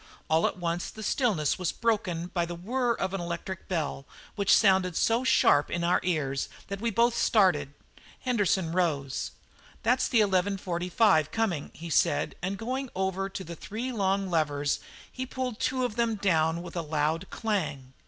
All at once the stillness was broken by the whirr of the electric bell, which sounded so sharply in our ears that we both started. Henderson rose. "That's the 11.45 coming," he said, and, going over to the three long levers, he pulled two of them down with a loud clang.